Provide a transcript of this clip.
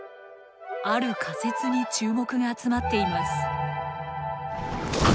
ある仮説に注目が集まっています。